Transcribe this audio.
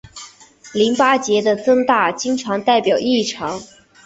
淋巴结的增大经常代表异常。